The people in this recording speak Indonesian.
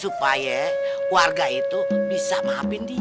supaya warga itu bisa maafin dia